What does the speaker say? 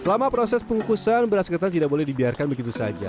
selama proses pengukusan beras ketan tidak boleh dibiarkan begitu saja